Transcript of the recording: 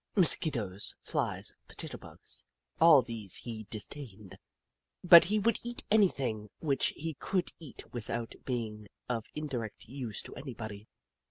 Mosquitoes, Flies, Potato Bugs — all these he disdained, but he would eat anything which he could eat without being of indirect use to any body.